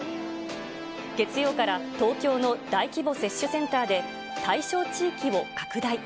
月曜から東京の大規模接種センターで、対象地域を拡大。